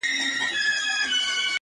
• چي د حسن یې ټول مصر خریدار دی ,